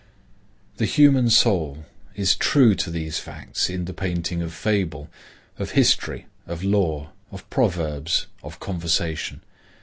The human soul is true to these facts in the painting of fable, of history, of law, of proverbs, of conversation.